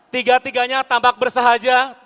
tiga tiganya tampak bersahaja